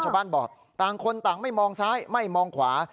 ชาวบ้านบอกต่างคนต่างไม่มองซ้ายไม่มองขวา